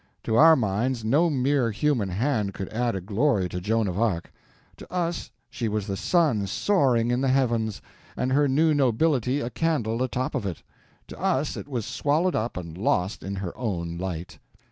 To our minds no mere human hand could add a glory to Joan of Arc. To us she was the sun soaring in the heavens, and her new nobility a candle atop of it; to us it was swallowed up and lost in her own light.